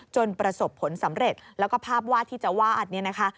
ประสบผลสำเร็จแล้วก็ภาพวาดที่จะวาดเนี่ยนะคะ